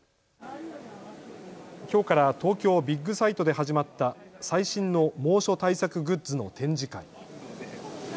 きょうから東京ビッグサイトで始まった最新の猛暑対策グッズの展示会。